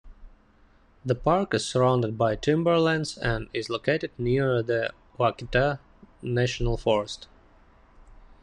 The park is surrounded by timberlands and is located near the Ouachita National Forest.